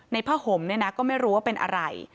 ผ้าห่มเนี่ยนะก็ไม่รู้ว่าเป็นอะไร